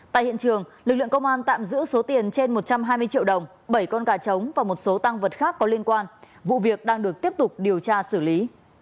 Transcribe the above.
tại hiện trường lực lượng công an tạm giữ số tiền trên một trăm hai mươi triệu đồng bảy con gà trống và một số tăng vật khác có liên quan vụ việc đang được tiếp tục điều tra xử lý